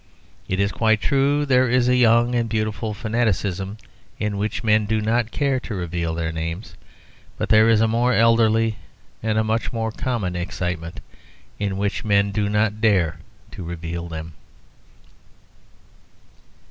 It is quite true that there is a young and beautiful fanaticism in which men do not care to reveal their names. But there is a more elderly and a much more common excitement in which men do not dare to reveal them.